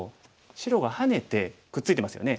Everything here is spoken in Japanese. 白がハネてくっついてますよね。